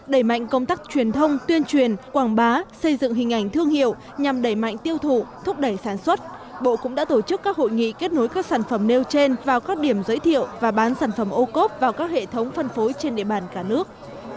đẩy mạnh công tác truyền thông tuyên truyền quảng bá xây dựng hình ảnh thương hiệu nhằm đẩy mạnh tiêu thụ thúc đẩy sản xuất bộ cũng đã tổ chức các hội nghị kết nối các sản phẩm nêu trên vào các điểm giới thiệu và bán sản phẩm ô cốp vào các hệ thống phân phối trên địa bàn cả nước